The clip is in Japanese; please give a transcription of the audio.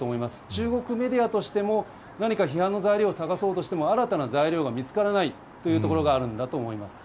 中国メディアとしても何か批判の材料を探そうとしても、新たな材料が見つからないというところがあるんだと思います。